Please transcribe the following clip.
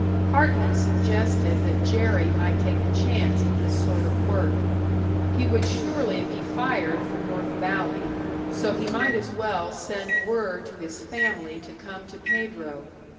Hartman suggested that Jerry might take a chance at this sort of work. He would surely be fired from North Valley, so he might as well send word to his family to come to Pedro.